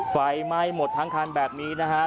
ไฟไหม้หมดทั้งคันแบบนี้นะฮะ